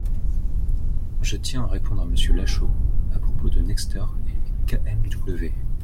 Je tiens à répondre à Monsieur Lachaud à propos de Nexter et KMW.